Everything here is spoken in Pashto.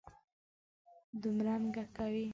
دومرنګه کوي.